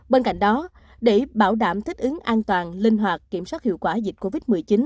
bên cạnh đó để bảo đảm thích ứng an toàn linh hoạt kiểm soát hiệu quả dịch covid một mươi chín